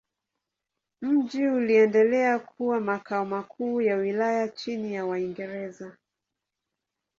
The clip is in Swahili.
Mji uliendelea kuwa makao makuu ya wilaya chini ya Waingereza.